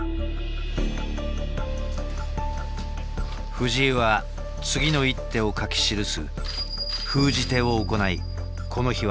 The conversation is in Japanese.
藤井は次の一手を書き記す封じ手を行いこの日は終了。